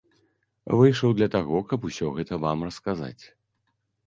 Выйшаў для таго, каб усё гэта вам расказаць.